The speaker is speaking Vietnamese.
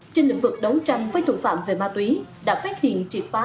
trên lĩnh vực đấu tranh với tội phạm về ma túy đã phát hiện triệt phá hai trăm bảy mươi năm vụ